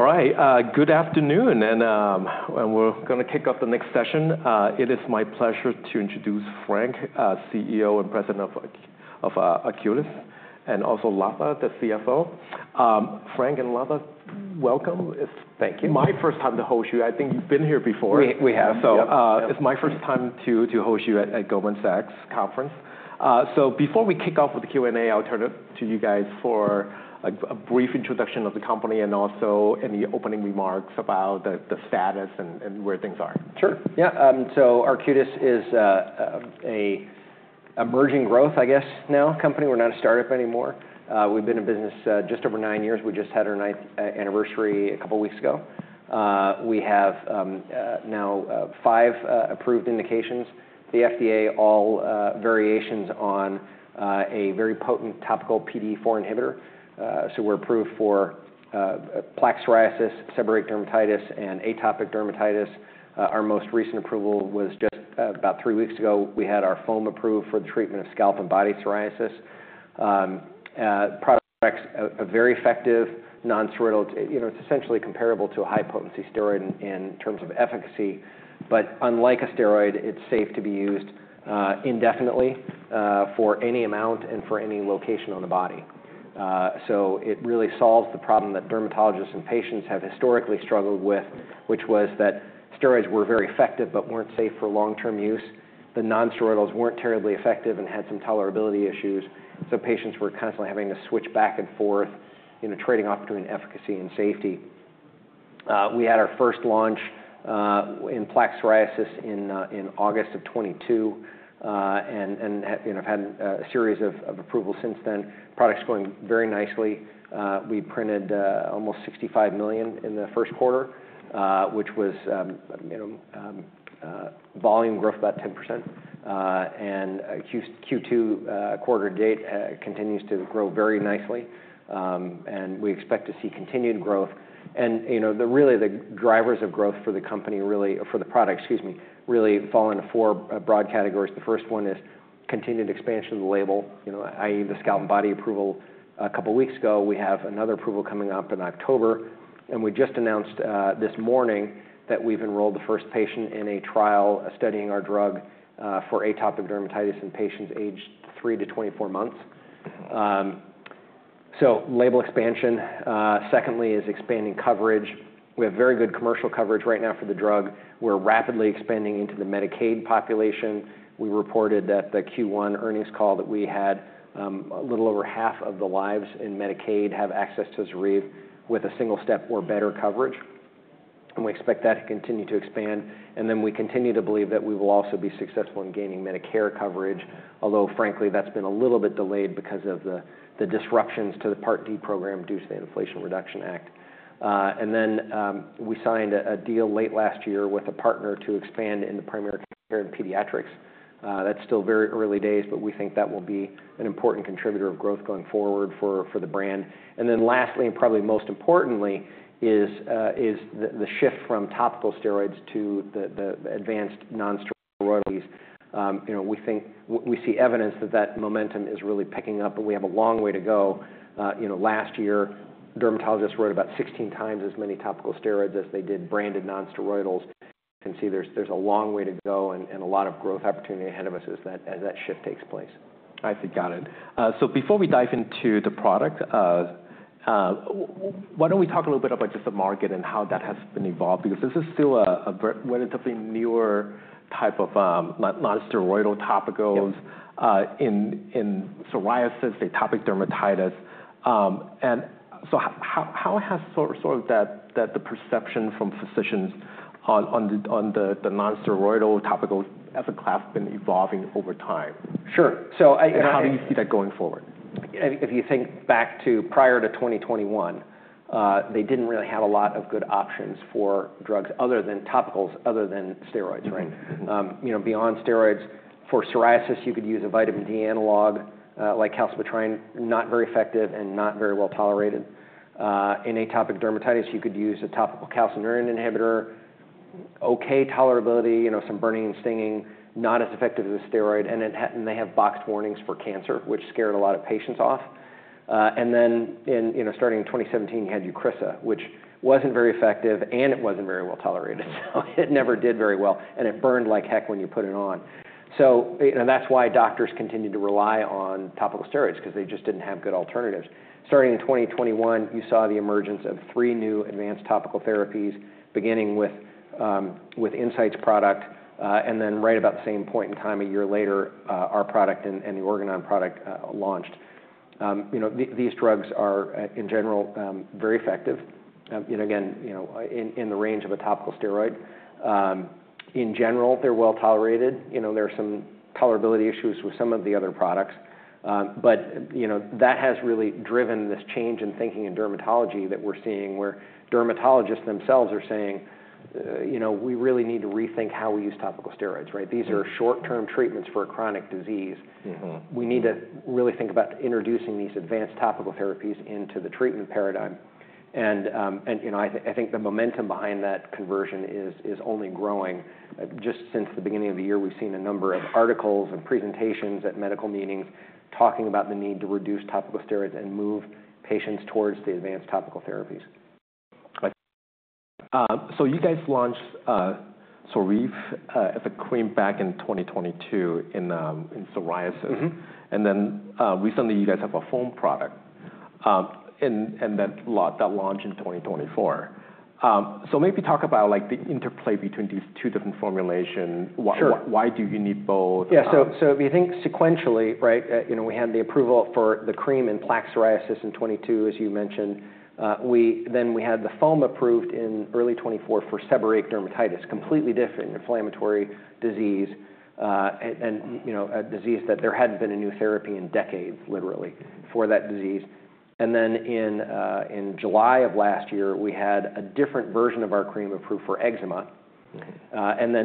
All right. Good afternoon. We are going to kick off the next session. It is my pleasure to introduce Frank, CEO and President of Arcutis, and also Latha, the CFO. Frank and Latha, welcome. Thank you. It's my first time to host you. I think you've been here before. We have. So it's my first time to host you at the Goldman Sachs Conference. Before we kick off with the Q&A, I'll turn it to you guys for a brief introduction of the company and also any opening remarks about the status and where things are. Sure. Yeah. So Arcutis is an emerging growth, I guess, now company. We're not a startup anymore. We've been in business just over nine years. We just had our ninth anniversary a couple of weeks ago. We have now five approved indications, the FDA all variations on a very potent topical PDE4 inhibitor. So we're approved for plaque psoriasis, seborrheic dermatitis, and atopic dermatitis. Our most recent approval was just about three weeks ago. We had our foam approved for the treatment of scalp and body psoriasis. Product is very effective, non-steroidal. It's essentially comparable to a high-potency steroid in terms of efficacy. But unlike a steroid, it's safe to be used indefinitely for any amount and for any location on the body. It really solves the problem that dermatologists and patients have historically struggled with, which was that steroids were very effective but weren't safe for long-term use. The non-steroidals were not terribly effective and had some tolerability issues. Patients were constantly having to switch back and forth, trading off between efficacy and safety. We had our first launch in plaque psoriasis in August of 2022 and have had a series of approvals since then. Product is going very nicely. We printed almost $65 million in the first quarter, which was volume growth about 10%. Q2 quarter-to-date continues to grow very nicely. We expect to see continued growth. The drivers of growth for the company, or for the product, excuse me, really fall into four broad categories. The first one is continued expansion of the label, i.e., the scalp and body approval. A couple of weeks ago, we have another approval coming up in October. We just announced this morning that we've enrolled the first patient in a trial studying our drug for atopic dermatitis in patients aged 3-24 months. Label expansion, secondly is expanding coverage. We have very good commercial coverage right now for the drug. We're rapidly expanding into the Medicaid population. We reported at the Q1 earnings call that we had a little over half of the lives in Medicaid have access to ZORYVE with a single-step or better coverage. We expect that to continue to expand. We continue to believe that we will also be successful in gaining Medicare coverage, although frankly, that's been a little bit delayed because of the disruptions to the Part D program due to the Inflation Reduction Act. We signed a deal late last year with a partner to expand in the primary care and pediatrics. That's still very early days, but we think that will be an important contributor of growth going forward for the brand. Lastly, and probably most importantly, is the shift from topical steroids to the advanced non-steroidals. We see evidence that that momentum is really picking up, but we have a long way to go. Last year, dermatologists wrote about 16x as many topical steroids as they did branded non-steroidals. You can see there's a long way to go and a lot of growth opportunity ahead of us as that shift takes place. I think got it. Before we dive into the product, why don't we talk a little bit about just the market and how that has been evolved? Because this is still a relatively newer type of non-steroidal topicals in psoriasis, atopic dermatitis. How has sort of the perception from physicians on the non-steroidal topical as a class been evolving over time? Sure. How do you see that going forward? If you think back to prior to 2021, they did not really have a lot of good options for drugs other than topicals other than steroids, right? Beyond steroids, for psoriasis, you could use a vitamin D analog like calcipotriene, not very effective and not very well tolerated. In atopic dermatitis, you could use a topical calcineurin inhibitor, okay tolerability, some burning and stinging, not as effective as a steroid. They have boxed warnings for cancer, which scared a lot of patients off. Starting in 2017, you had Eucrisa, which was not very effective and it was not very well tolerated. It never did very well. It burned like heck when you put it on. That is why doctors continue to rely on topical steroids because they just did not have good alternatives. Starting in 2021, you saw the emergence of three new advanced topical therapies, beginning with Incyte's product. Then right about the same point in time, a year later, our product and the Organon product launched. These drugs are, in general, very effective, again, in the range of a topical steroid. In general, they're well tolerated. There are some tolerability issues with some of the other products. That has really driven this change in thinking in dermatology that we're seeing where dermatologists themselves are saying, We really need to rethink how we use topical steroids, right? These are short-term treatments for a chronic disease. We need to really think about introducing these advanced topical therapies into the treatment paradigm. I think the momentum behind that conversion is only growing. Just since the beginning of the year, we've seen a number of articles and presentations at medical meetings talking about the need to reduce topical steroids and move patients towards the advanced topical therapies. So you guys launched ZORYVE, I think, came back in 2022 in psoriasis. And then recently, you guys have a foam product and that launched in 2024. So maybe talk about the interplay between these two different formulations. Why do you need both? Yeah. If you think sequentially, right, we had the approval for the cream in plaque psoriasis in 2022, as you mentioned. We had the foam approved in early 2024 for seborrheic dermatitis, completely different inflammatory disease and a disease that there had not been a new therapy in decades, literally, for that disease. In July of last year, we had a different version of our cream approved for eczema.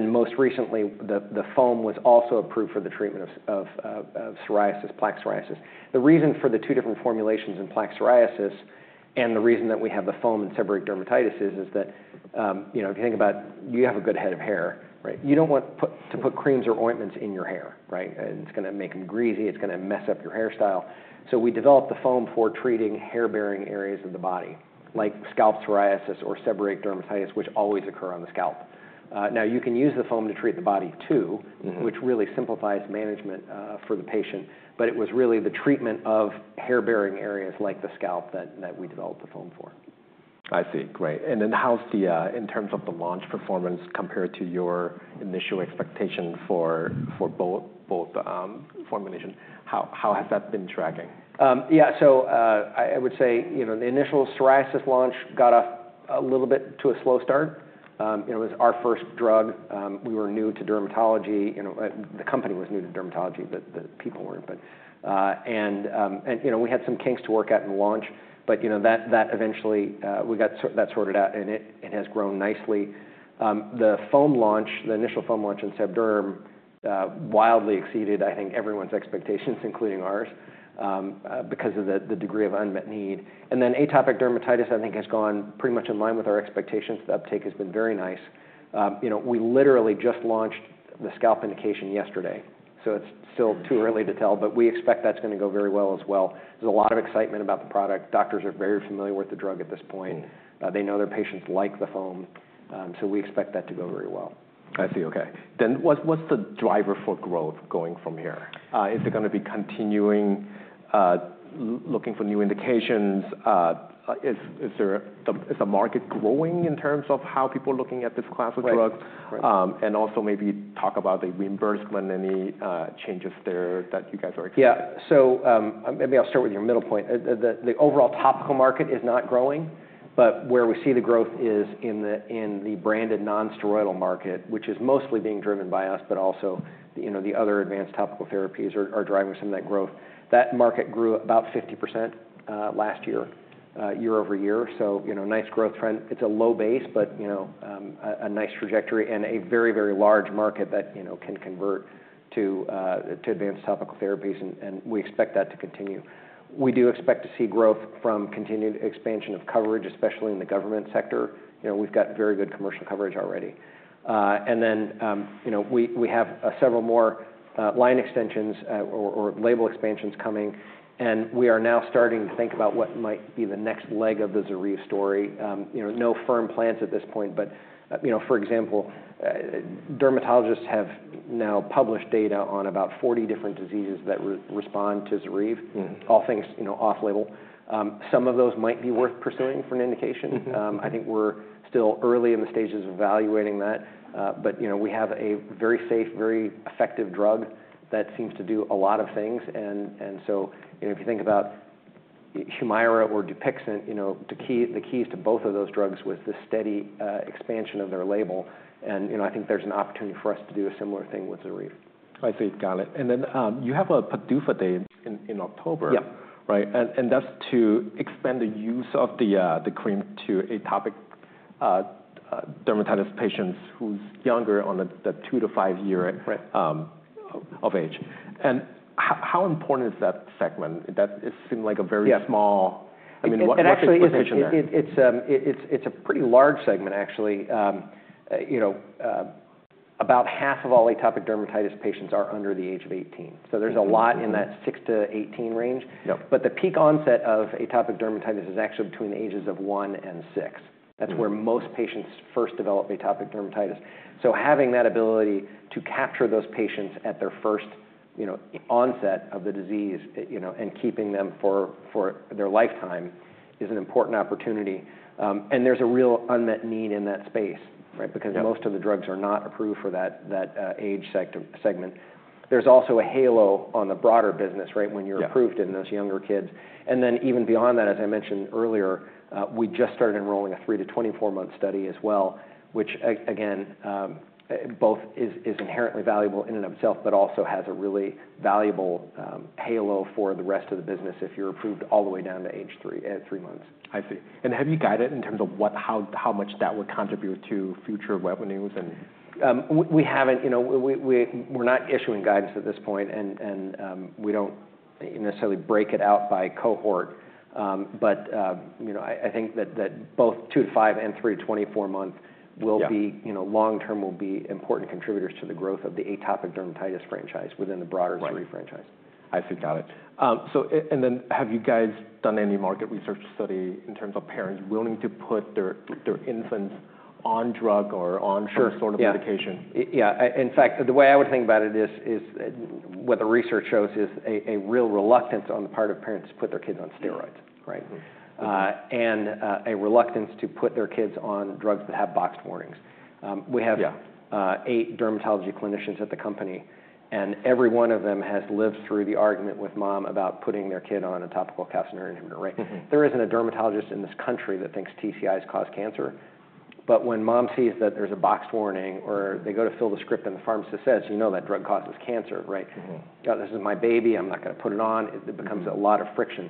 Most recently, the foam was also approved for the treatment of psoriasis, plaque psoriasis. The reason for the two different formulations in plaque psoriasis and the reason that we have the foam in seborrheic dermatitis is that if you think about, you have a good head of hair, right? You do not want to put creams or ointments in your hair, right? It is going to make them greasy. It is going to mess up your hairstyle. We developed the foam for treating hair-bearing areas of the body, like scalp psoriasis or seborrheic dermatitis, which always occur on the scalp. Now, you can use the foam to treat the body too, which really simplifies management for the patient. It was really the treatment of hair-bearing areas like the scalp that we developed the foam for. I see. Great. How's the, in terms of the launch performance compared to your initial expectation for both formulations? How has that been tracking? Yeah. So I would say the initial psoriasis launch got off a little bit to a slow start. It was our first drug. We were new to dermatology. The company was new to dermatology, but the people were not. And we had some kinks to work at in launch. That eventually, we got that sorted out and it has grown nicely. The foam launch, the initial foam launch in seb derm, wildly exceeded, I think, everyone's expectations, including ours, because of the degree of unmet need. Atopic dermatitis, I think, has gone pretty much in line with our expectations. The uptake has been very nice. We literally just launched the scalp indication yesterday. It is still too early to tell, but we expect that is going to go very well as well. There is a lot of excitement about the product. Doctors are very familiar with the drug at this point. They know their patients like the foam. We expect that to go very well. I see. Okay. What is the driver for growth going from here? Is it going to be continuing looking for new indications? Is the market growing in terms of how people are looking at this class of drugs? Also, maybe talk about the reimbursement, any changes there that you guys are expecting? Yeah. Maybe I'll start with your middle point. The overall topical market is not growing, but where we see the growth is in the branded non-steroidal market, which is mostly being driven by us, but also the other advanced topical therapies are driving some of that growth. That market grew about 50% last year, year-over-year. Nice growth trend. It's a low base, but a nice trajectory and a very, very large market that can convert to advanced topical therapies. We expect that to continue. We do expect to see growth from continued expansion of coverage, especially in the government sector. We've got very good commercial coverage already. We have several more line extensions or label expansions coming. We are now starting to think about what might be the next leg of the ZORYVE story. No firm plans at this point, but for example, dermatologists have now published data on about 40 different diseases that respond to ZORYVE, all things off-label. Some of those might be worth pursuing for an indication. I think we're still early in the stages of evaluating that. We have a very safe, very effective drug that seems to do a lot of things. If you think about Humira or Dupixent, the keys to both of those drugs was the steady expansion of their label. I think there's an opportunity for us to do a similar thing with ZORYVE. I see. Got it. You have a PDUFA date in October, right? That is to expand the use of the cream to atopic dermatitis patients who are younger, in the 2-5 year of age. How important is that segment? That seemed like a very small, I mean, what type of patient that is? It's a pretty large segment, actually. About half of all atopic dermatitis patients are under the age of 18. There is a lot in that 6-18 range. The peak onset of atopic dermatitis is actually between the ages of one and six. That is where most patients first develop atopic dermatitis. Having that ability to capture those patients at their first onset of the disease and keeping them for their lifetime is an important opportunity. There is a real unmet need in that space, right? Most of the drugs are not approved for that age segment. There is also a halo on the broader business, right, when you are approved in those younger kids. Even beyond that, as I mentioned earlier, we just started enrolling a 3-24 month study as well, which again, both is inherently valuable in and of itself, but also has a really valuable halo for the rest of the business if you're approved all the way down to age three months. I see. Have you guided in terms of how much that would contribute to future revenues? We haven't. We're not issuing guidance at this point. We don't necessarily break it out by cohort. I think that both 2-5 and 3-24 month will be long-term, will be important contributors to the growth of the atopic dermatitis franchise within the broader ZORYVE franchise. I see. Got it. So have you guys done any market research study in terms of parents willing to put their infants on drug or on some sort of medication? Yeah. In fact, the way I would think about it is what the research shows is a real reluctance on the part of parents to put their kids on steroids, right? And a reluctance to put their kids on drugs that have boxed warnings. We have eight dermatology clinicians at the company. And every one of them has lived through the argument with mom about putting their kid on a topical calcineurin inhibitor, right? There isn't a dermatologist in this country that thinks TCIs cause cancer. But when mom sees that there's a boxed warning or they go to fill the script and the pharmacist says, "You know that drug causes cancer, right? This is my baby. I'm not going to put it on." It becomes a lot of friction.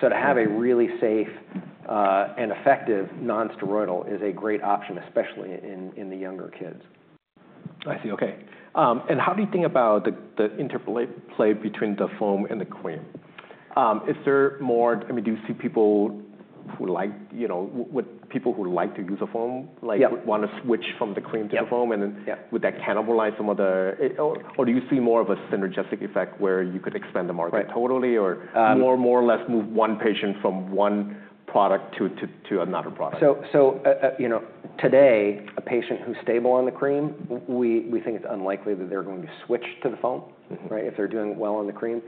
To have a really safe and effective non-steroidal is a great option, especially in the younger kids. I see. Okay. How do you think about the interplay between the foam and the cream? Is there more, I mean, do you see people who like to use a foam want to switch from the cream to the foam? Would that cannibalize some of the, or do you see more of a synergistic effect where you could expand the market totally or more or less move one patient from one product to another product? Today, a patient who's stable on the cream, we think it's unlikely that they're going to switch to the foam, right? If they're doing well on the cream.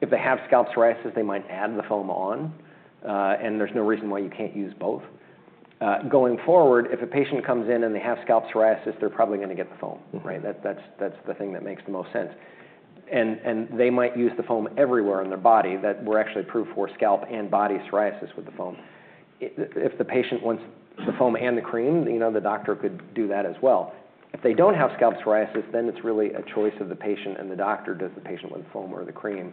If they have scalp psoriasis, they might add the foam on. There's no reason why you can't use both. Going forward, if a patient comes in and they have scalp psoriasis, they're probably going to get the foam, right? That's the thing that makes the most sense. They might use the foam everywhere on their body that we're actually approved for scalp and body psoriasis with the foam. If the patient wants the foam and the cream, the doctor could do that as well. If they don't have scalp psoriasis, then it's really a choice of the patient and the doctor. Does the patient want the foam or the cream?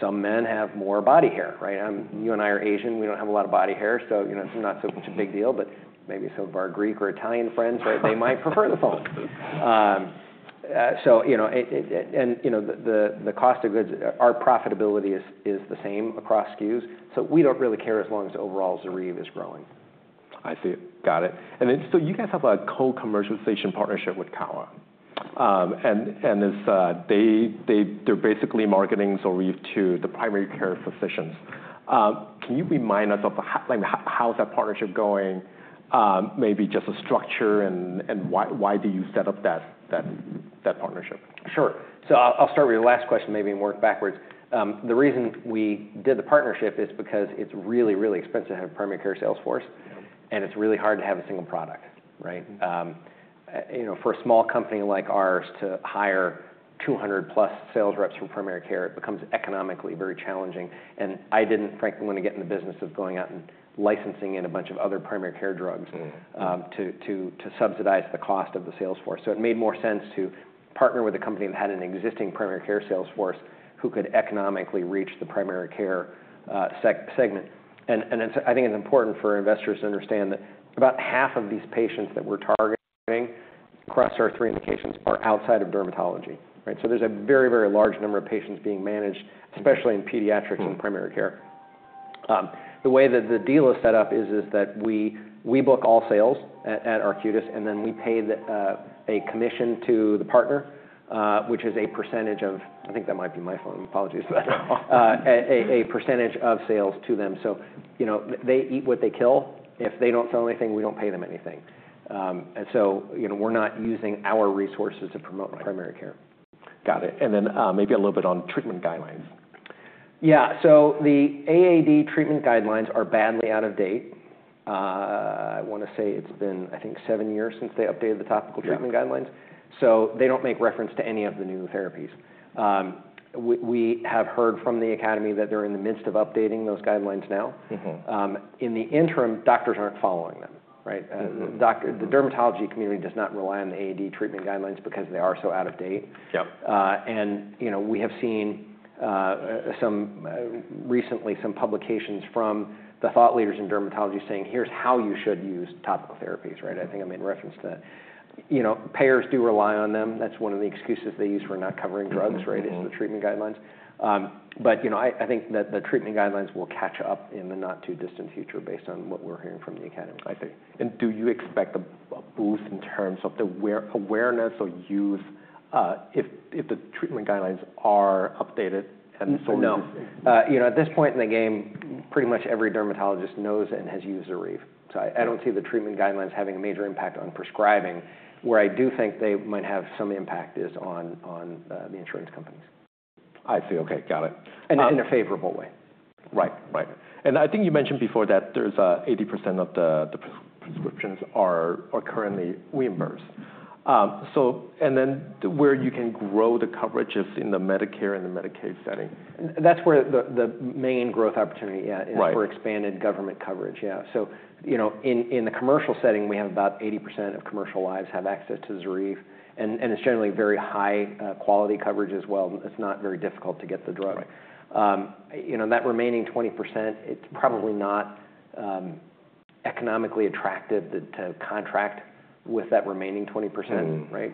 Some men have more body hair, right? You and I are Asian. We do not have a lot of body hair. It is not such a big deal. Maybe some of our Greek or Italian friends, right, they might prefer the foam. The cost of goods, our profitability is the same across SKUs. We do not really care as long as overall ZORYVE is growing. I see. Got it. You guys have a co-commercialization partnership with Kowa. They're basically marketing ZORYVE to the primary care physicians. Can you remind us of how that partnership is going? Maybe just the structure and why you set up that partnership? Sure. I'll start with your last question, maybe and work backwards. The reason we did the partnership is because it's really, really expensive to have a primary care sales force. It's really hard to have a single product, right? For a small company like ours to hire 200+ sales reps for primary care, it becomes economically very challenging. I didn't, frankly, want to get in the business of going out and licensing in a bunch of other primary care drugs to subsidize the cost of the sales force. It made more sense to partner with a company that had an existing primary care sales force who could economically reach the primary care segment. I think it's important for investors to understand that about half of these patients that we're targeting across our three indications are outside of dermatology, right? There is a very, very large number of patients being managed, especially in pediatrics and primary care. The way that the deal is set up is that we book all sales at Arcutis, and then we pay a commission to the partner, which is a percentage of, I think that might be my phone. Apologies for that. A percentage of sales to them. They eat what they kill. If they do not sell anything, we do not pay them anything. We are not using our resources to promote primary care. Got it. And then maybe a little bit on treatment guidelines. Yeah. The AAD treatment guidelines are badly out of date. I want to say it's been, I think, seven years since they updated the topical treatment guidelines. They do not make reference to any of the new therapies. We have heard from the academy that they are in the midst of updating those guidelines now. In the interim, doctors are not following them, right? The dermatology community does not rely on the AAD treatment guidelines because they are so out of date. We have seen recently some publications from the thought leaders in dermatology saying, "Here's how you should use topical therapies," right? I think I made reference to that. Payers do rely on them. That is one of the excuses they use for not covering drugs, right? It is the treatment guidelines. I think that the treatment guidelines will catch up in the not too distant future based on what we're hearing from the academy. I see. Do you expect a boost in terms of the awareness or use if the treatment guidelines are updated and sort of? No. At this point in the game, pretty much every dermatologist knows and has used ZORYVE. So I do not see the treatment guidelines having a major impact on prescribing. Where I do think they might have some impact is on the insurance companies. I see. Okay. Got it. In a favorable way. Right. Right. I think you mentioned before that there's 80% of the prescriptions are currently reimbursed. Where you can grow the coverage is in the Medicare and the Medicaid setting. That's where the main growth opportunity is for expanded government coverage. Yeah. In the commercial setting, we have about 80% of commercial lives have access to ZORYVE. And it's generally very high quality coverage as well. It's not very difficult to get the drug. That remaining 20%, it's probably not economically attractive to contract with that remaining 20%, right?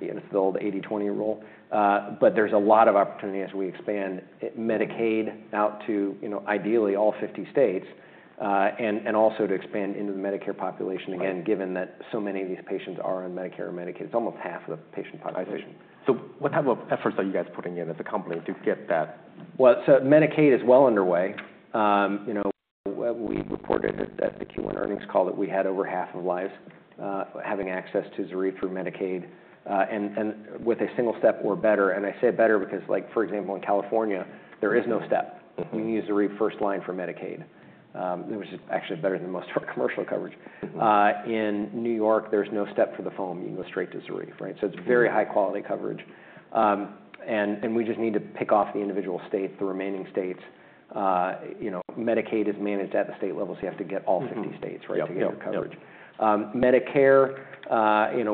It's the old 80/20 rule. There is a lot of opportunity as we expand Medicaid out to ideally all 50 states and also to expand into the Medicare population again, given that so many of these patients are on Medicare or Medicaid. It's almost half of the patient population. I see. What type of efforts are you guys putting in as a company to get that? Medicaid is well underway. We reported at the Q1 earnings call that we had over half of lives having access to ZORYVE through Medicaid and with a single step or better. I say better because, for example, in California, there is no step. We use ZORYVE first line for Medicaid. It was actually better than most of our commercial coverage. In New York, there is no step for the foam. You go straight to ZORYVE, right? It is very high quality coverage. We just need to pick off the individual states, the remaining states. Medicaid is managed at the state level, so you have to get all 50 states, right, to get your coverage. Medicare,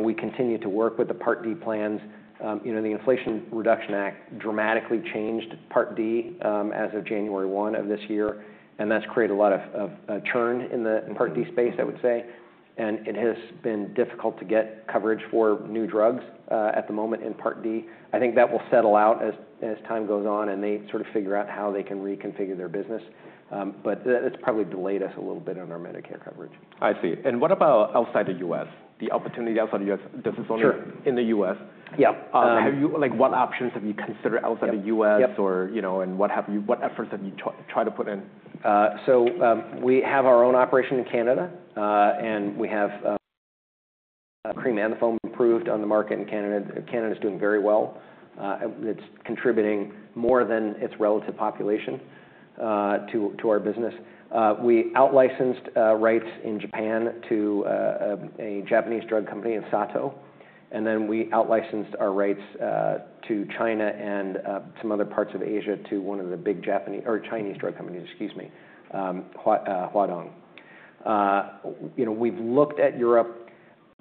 we continue to work with the Part D plans. The Inflation Reduction Act dramatically changed Part D as of January 1 of this year. That has created a lot of churn in the Part D space, I would say. It has been difficult to get coverage for new drugs at the moment in Part D. I think that will settle out as time goes on and they sort of figure out how they can reconfigure their business. It has probably delayed us a little bit on our Medicare coverage. I see. What about outside the US? The opportunity outside the US, this is only in the US. Yeah. What options have you considered outside the US or what efforts have you tried to put in? We have our own operation in Canada. We have cream and the foam approved on the market in Canada. Canada is doing very well. It's contributing more than its relative population to our business. We outlicensed rights in Japan to a Japanese drug company in Sato. We outlicensed our rights to China and some other parts of Asia to one of the big Chinese drug companies, excuse me, Huadong. We've looked at Europe.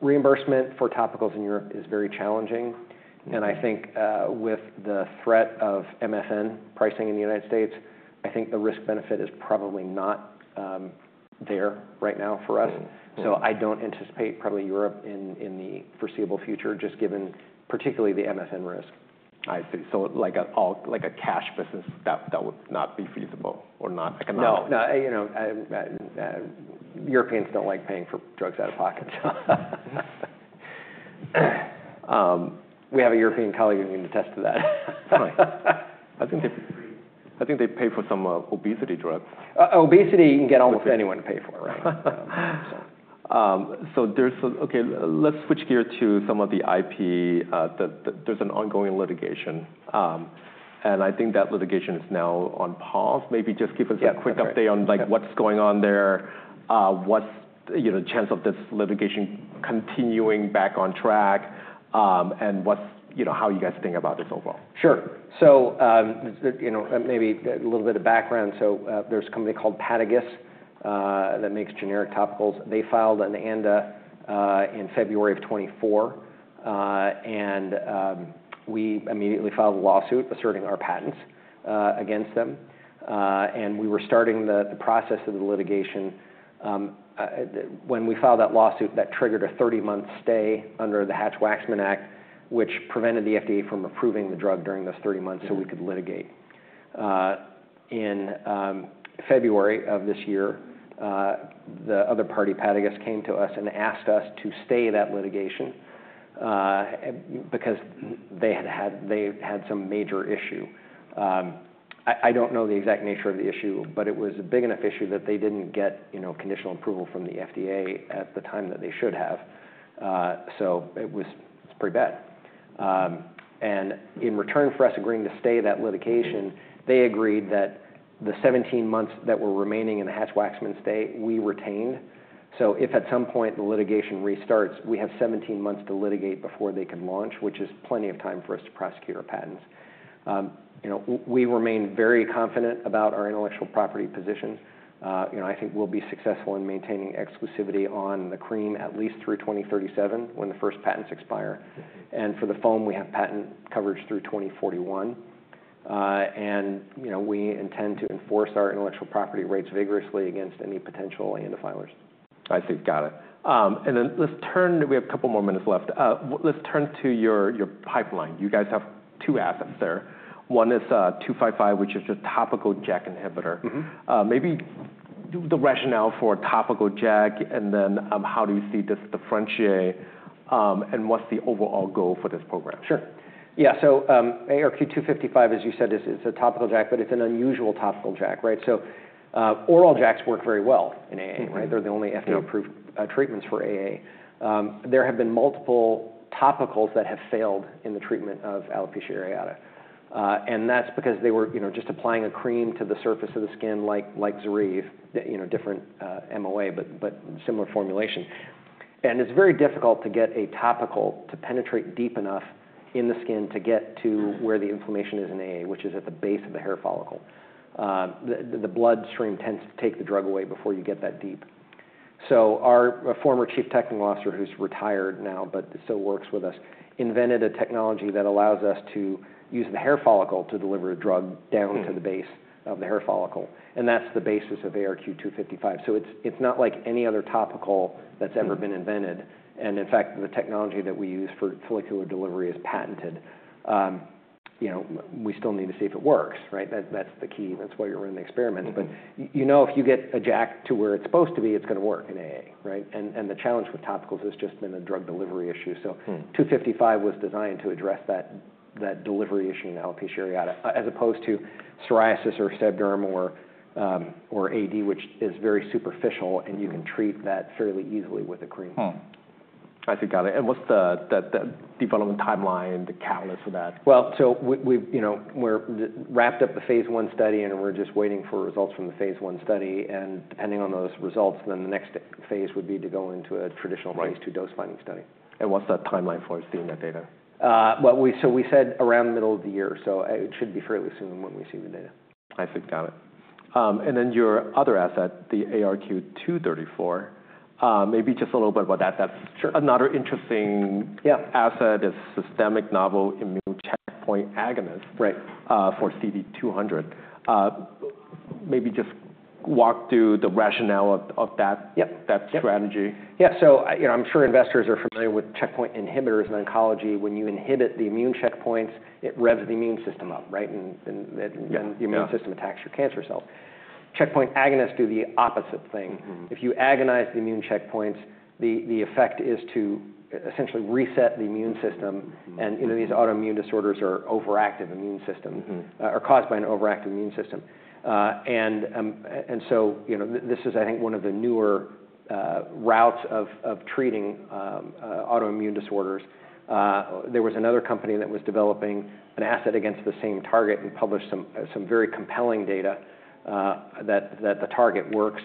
Reimbursement for topicals in Europe is very challenging. I think with the threat of MFN pricing in the United States, I think the risk-benefit is probably not there right now for us. I don't anticipate probably Europe in the foreseeable future, just given particularly the MSN risk. I see. So like a cash business, that would not be feasible or not economical? No. Europeans do not like paying for drugs out of pocket. We have a European colleague who can attest to that. Fine. I think they pay for some obesity drugs. Obesity, you can get almost anyone to pay for, right? Okay, let's switch gears to some of the IP. There's an ongoing litigation. I think that litigation is now on pause. Maybe just give us a quick update on what's going on there, what's the chance of this litigation continuing back on track, and how you guys think about this overall. Sure. Maybe a little bit of background. There is a company called Padagis that makes generic topicals. They filed an ANDA in February of 2024. We immediately filed a lawsuit asserting our patents against them. We were starting the process of the litigation. When we filed that lawsuit, that triggered a 30-month stay under the Hatch-Waxman Act, which prevented the FDA from approving the drug during those 30 months so we could litigate. In February of this year, the other party, Padagis, came to us and asked us to stay that litigation because they had some major issue. I do not know the exact nature of the issue, but it was a big enough issue that they did not get conditional approval from the FDA at the time that they should have. It was pretty bad. In return for us agreeing to stay that litigation, they agreed that the 17 months that were remaining in the Hatch-Waxman stay, we retained. If at some point the litigation restarts, we have 17 months to litigate before they can launch, which is plenty of time for us to prosecute our patents. We remain very confident about our intellectual property position. I think we will be successful in maintaining exclusivity on the cream at least through 2037 when the first patents expire. For the foam, we have patent coverage through 2041. We intend to enforce our intellectual property rights vigorously against any potential ANDA filers. I see. Got it. Let's turn, we have a couple more minutes left. Let's turn to your pipeline. You guys have two assets there. One is 255, which is a topical JAK inhibitor. Maybe the rationale for topical JAK and then how do you see this differentiate and what's the overall goal for this program? Sure. Yeah. ARQ-255, as you said, is a topical JAK, but it's an unusual topical JAK, right? Oral JAKs work very well in AA, right? They're the only FDA-approved treatments for AA. There have been multiple topicals that have failed in the treatment of alopecia areata. That's because they were just applying a cream to the surface of the skin like ZORYVE, different MOA, but similar formulation. It's very difficult to get a topical to penetrate deep enough in the skin to get to where the inflammation is in AA, which is at the base of the hair follicle. The bloodstream tends to take the drug away before you get that deep. Our former Chief Technical Officer, who's retired now but still works with us, invented a technology that allows us to use the hair follicle to deliver a drug down to the base of the hair follicle. That's the basis of ARQ-255. It's not like any other topical that's ever been invented. In fact, the technology that we use for follicular delivery is patented. We still need to see if it works, right? That's the key. That's why you're running the experiments. You know if you get a JAK to where it's supposed to be, it's going to work in AA, right? The challenge with topicals has just been a drug delivery issue. 255 was designed to address that delivery issue in alopecia areata as opposed to psoriasis or sebderma or AD, which is very superficial and you can treat that fairly easily with a cream. I see. Got it. What is the development timeline, the catalyst for that? We have wrapped up the phase I study and we are just waiting for results from the phase I study. Depending on those results, the next phase would be to go into a traditional phase II dose-finding study. What's the timeline for seeing that data? We said around the middle of the year. It should be fairly soon when we see the data. I see. Got it. And then your other asset, the ARQ-234, maybe just a little bit about that. That's another interesting asset, a systemic novel immune checkpoint agonist for CD200. Maybe just walk through the rationale of that strategy. Yeah. I'm sure investors are familiar with checkpoint inhibitors in oncology. When you inhibit the immune checkpoints, it revs the immune system up, right? The immune system attacks your cancer cells. Checkpoint agonists do the opposite thing. If you agonize the immune checkpoints, the effect is to essentially reset the immune system. These autoimmune disorders are overactive immune systems, are caused by an overactive immune system. This is, I think, one of the newer routes of treating autoimmune disorders. There was another company that was developing an asset against the same target and published some very compelling data that the target works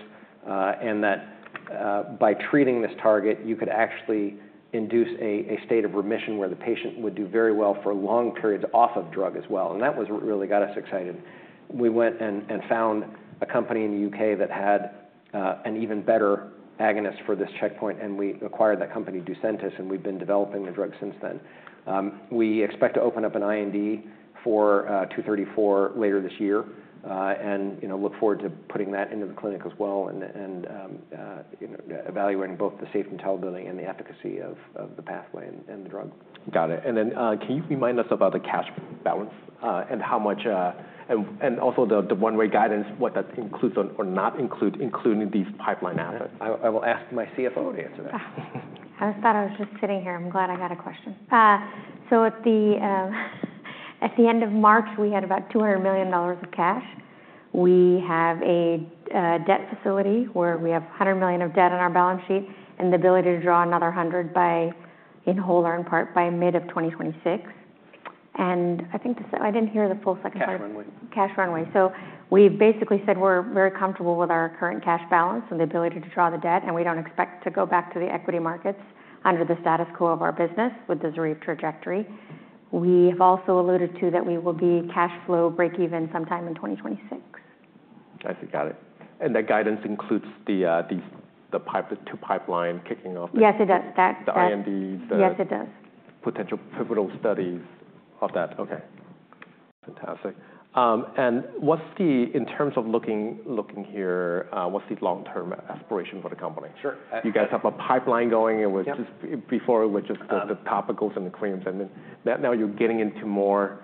and that by treating this target, you could actually induce a state of remission where the patient would do very well for long periods off of drug as well. That was what really got us excited. We went and found a company in the UK that had an even better agonist for this checkpoint. We acquired that company, Ducentis, and we've been developing the drug since then. We expect to open up an IND for 234 later this year and look forward to putting that into the clinic as well and evaluating both the safety and tolerability and the efficacy of the pathway and the drug. Got it. Can you remind us about the cash balance and how much and also the one-way guidance, what that includes or not includes including these pipeline assets? I will ask my CFO to answer that. I thought I was just sitting here. I'm glad I got a question. At the end of March, we had about $200 million of cash. We have a debt facility where we have $100 million of debt on our balance sheet and the ability to draw another $100 million in whole or in part by mid of 2026. I think I didn't hear the full second part. Cash runway. Cash runway. We have basically said we are very comfortable with our current cash balance and the ability to draw the debt. We do not expect to go back to the equity markets under the status quo of our business with the ZORYVE trajectory. We have also alluded to that we will be cash flow break-even sometime in 2026. I see. Got it. That guidance includes the two pipeline kicking off. Yes, it does. The INDs. Yes, it does. Potential pivotal studies of that. Okay. Fantastic. In terms of looking here, what's the long-term aspiration for the company? You guys have a pipeline going. It was just before it was just the topicals and the creams. Now you're getting into more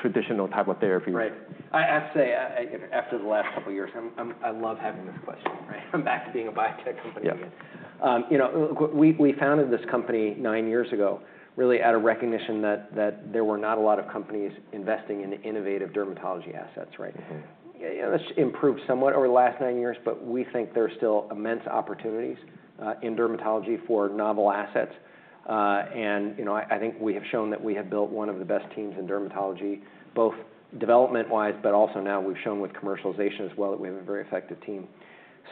traditional type of therapy. Right. I have to say, after the last couple of years, I love having this question, right? I'm back to being a biotech company again. We founded this company nine years ago really out of recognition that there were not a lot of companies investing in innovative dermatology assets, right? That's improved somewhat over the last nine years, but we think there are still immense opportunities in dermatology for novel assets. I think we have shown that we have built one of the best teams in dermatology, both development-wise, but also now we've shown with commercialization as well that we have a very effective team.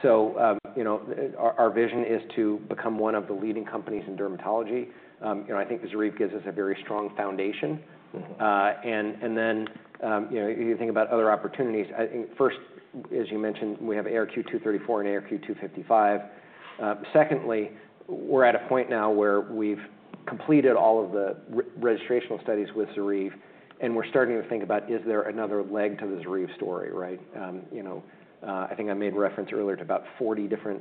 Our vision is to become one of the leading companies in dermatology. I think ZORYVE gives us a very strong foundation. You think about other opportunities. First, as you mentioned, we have ARQ-234 and ARQ-255. Secondly, we're at a point now where we've completed all of the registrational studies with ZORYVE and we're starting to think about, is there another leg to the ZORYVE story, right? I think I made reference earlier to about 40 different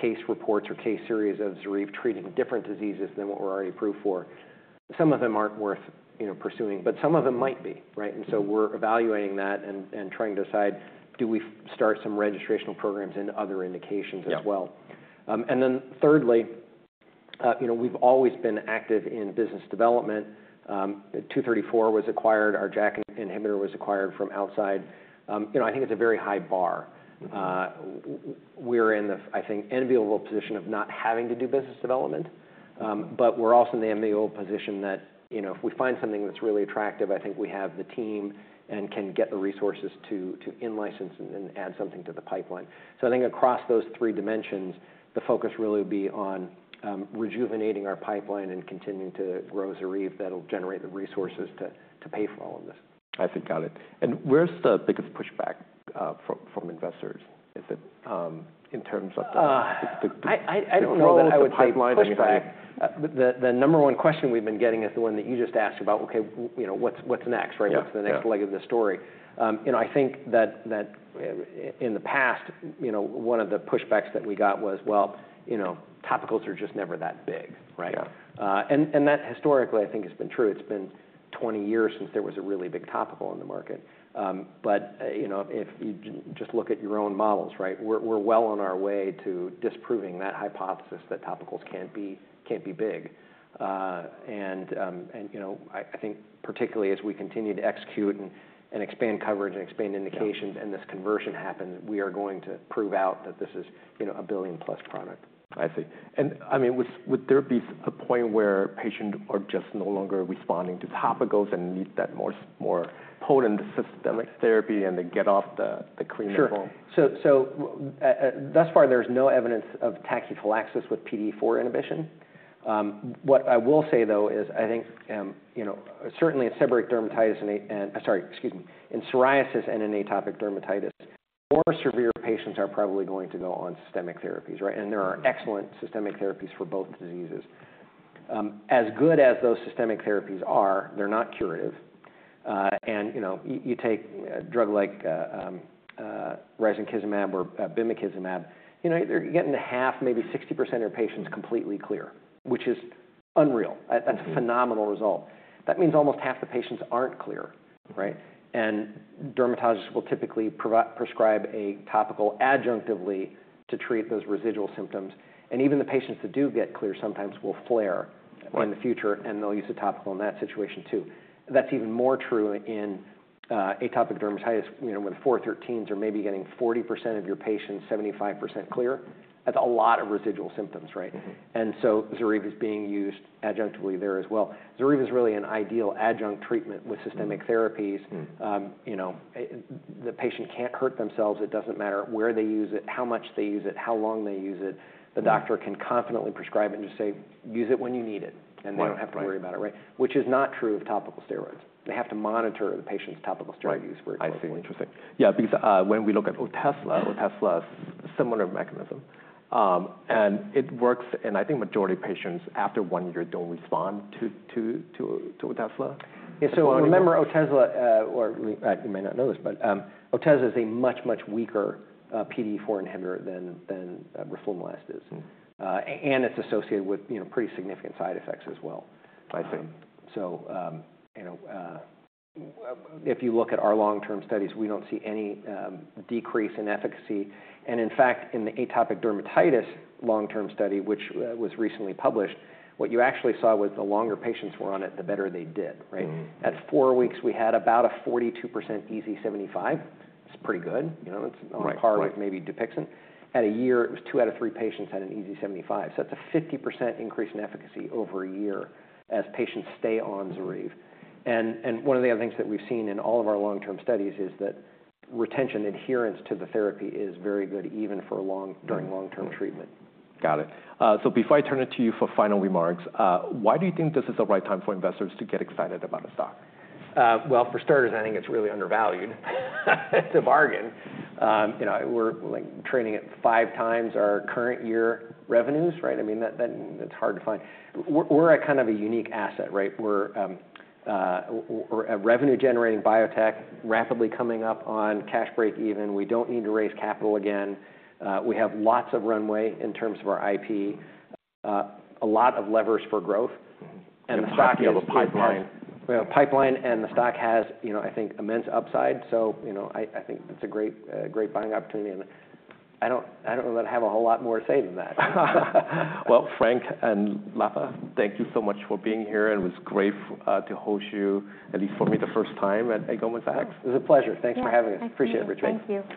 case reports or case series of ZORYVE treating different diseases than what we're already approved for. Some of them aren't worth pursuing, but some of them might be, right? We are evaluating that and trying to decide, do we start some registrational programs in other indications as well? Thirdly, we've always been active in business development. ARQ-234 was acquired. Our JAK inhibitor was acquired from outside. I think it's a very high bar. We're in the, I think, enviable position of not having to do business development, but we're also in the enviable position that if we find something that's really attractive, I think we have the team and can get the resources to in-license and add something to the pipeline. I think across those three dimensions, the focus really would be on rejuvenating our pipeline and continuing to grow ZORYVE that'll generate the resources to pay for all of this. I see. Got it. Where's the biggest pushback from investors in terms of the. I don't know that I would say pushback. The number one question we've been getting is the one that you just asked about, okay, what's next, right? What's the next leg of the story? I think that in the past, one of the pushbacks that we got was, well, topicals are just never that big, right? That historically, I think has been true. It's been 20 years since there was a really big topical in the market. If you just look at your own models, right, we're well on our way to disproving that hypothesis that topicals can't be big. I think particularly as we continue to execute and expand coverage and expand indications and this conversion happens, we are going to prove out that this is a billion-plus product. I see. I mean, would there be a point where patients are just no longer responding to topicals and need that more potent systemic therapy and they get off the cream and foam? Sure. Thus far, there's no evidence of tachyphylaxis with PDE4 inhibition. What I will say, though, is I think certainly in seborrheic dermatitis and, sorry, excuse me, in psoriasis and in atopic dermatitis, more severe patients are probably going to go on systemic therapies, right? There are excellent systemic therapies for both diseases. As good as those systemic therapies are, they're not curative. You take a drug like risankizumab or bimekizumab, you're getting half, maybe 60% of your patients completely clear, which is unreal. That's a phenomenal result. That means almost half the patients aren't clear, right? Dermatologists will typically prescribe a topical adjunctively to treat those residual symptoms. Even the patients that do get clear sometimes will flare in the future and they'll use a topical in that situation too. That's even more true in atopic dermatitis with IL-4/13s or maybe getting 40% of your patients, 75% clear. That's a lot of residual symptoms, right? Zarif is being used adjunctively there as well. Zarif is really an ideal adjunct treatment with systemic therapies. The patient can't hurt themselves. It doesn't matter where they use it, how much they use it, how long they use it. The doctor can confidently prescribe it and just say, use it when you need it and they don't have to worry about it, right? Which is not true of topical steroids. They have to monitor the patient's topical steroid use very closely. I see. Interesting. Yeah. Because when we look at Otezla, Otezla is a similar mechanism. And it works, and I think majority of patients after one year don't respond to Otezla. Yeah. Remember Otezla, or you may not know this, but Otezla is a much, much weaker PDE4 inhibitor than roflumilast is. And it's associated with pretty significant side effects as well. I see. If you look at our long-term studies, we do not see any decrease in efficacy. In fact, in the atopic dermatitis long-term study, which was recently published, what you actually saw was the longer patients were on it, the better they did, right? At four weeks, we had about a 42% EASI-75. It is pretty good. It is on par with maybe Dupixent. At a year, it was two out of three patients had an EASI-75. It is a 50% increase in efficacy over a year as patients stay on ZORYVE. One of the other things that we have seen in all of our long-term studies is that retention, adherence to the therapy is very good even during long-term treatment. Got it. So before I turn it to you for final remarks, why do you think this is the right time for investors to get excited about a stock? For starters, I think it's really undervalued. It's a bargain. We're trading at 5x our current year revenues, right? I mean, that's hard to find. We're at kind of a unique asset, right? We're a revenue-generating biotech rapidly coming up on cash break even. We don't need to raise capital again. We have lots of runway in terms of our IP, a lot of levers for growth. The stock is. You have a pipeline. We have a pipeline and the stock has, I think, immense upside. I think it's a great buying opportunity. I don't know that I have a whole lot more to say than that. Frank and Latha, thank you so much for being here. It was great to host you, at least for me, the first time at Goldman Sachs. It was a pleasure. Thanks for having us. Appreciate it, Richard. Thank you.